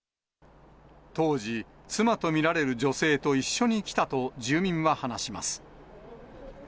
当時、妻と見られる女性と一緒に来たと住民は話します。